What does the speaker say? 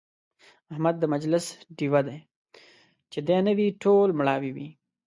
احمد د مجلس ډېوه دی، چې دی نه وي ټول مړاوي وي.